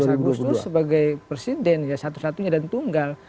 tujuh belas agustus sebagai presiden ya satu satunya dan tunggal